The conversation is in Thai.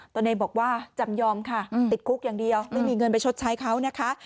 ตัวเองบอกว่าจำยอมค่ะติดคุกอย่างเดียวไม่มีเงินไปชดใช้เขานะคะ